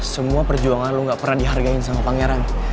semua perjuangan lo gak pernah dihargain sama pangeran